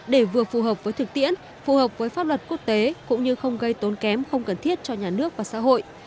để vừa phù hợp với thực tiễn phù hợp với pháp luật quốc tế cũng như không gây tốn kém không cần thiết cho nhà nước và xã hội